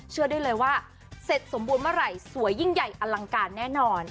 เชื่อได้เลยว่าเสร็จสมบูรณ์เมื่อไหร่สวยยิ่งใหญ่อลังการแน่นอน